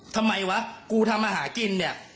ทำไมวะกูทำอาหารกินเนี่ย